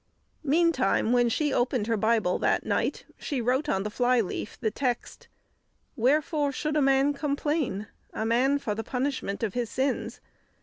Meantime, when she opened her Bible that night, she wrote on the flyleaf the text, "Wherefore should a man complain, a man for the punishment of his sins?"